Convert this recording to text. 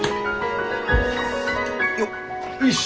よっよし。